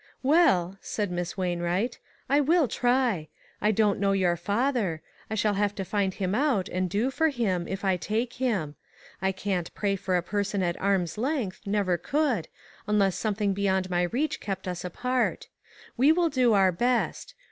"Well," said Miss Wainwright, "I will try. I don't know your father. I shall have to find him out, and do for him, if I take him. I can't pray for a person at arm's length — never could — unless some thing beyond my reach kept us apart. We will do our best.